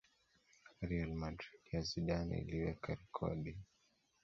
Real Madrid ya Zidane iliweka rekodi